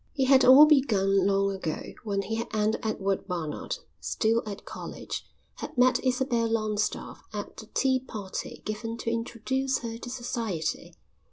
It had all begun long ago when he and Edward Barnard, still at college, had met Isabel Longstaffe at the tea party given to introduce her to society.